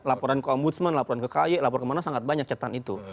laporan ke ombudsman laporan ke kay laporan ke mana mana sangat banyak catatan itu